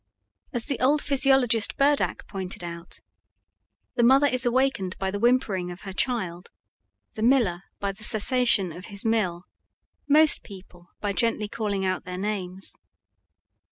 As the old physiologist Burdach pointed out, the mother is awakened by the whimpering of her child, the miller by the cessation of his mill, most people by gently calling out their names.